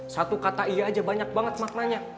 satu kata iya aja banyak banget maknanya